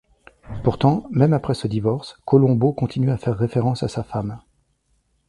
Pourtant, même après ce divorce, Columbo continue de faire référence à sa femme.